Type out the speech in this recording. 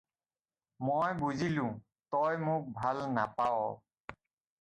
মই বুজিলোঁ! তই মোক ভাল নাপাৱ।